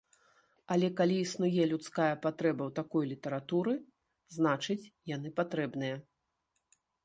Але калі існуе людская патрэба ў такой літаратуры, значыць, яны патрэбныя.